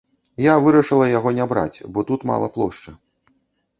Я вырашыла яго не браць, бо тут мала плошчы.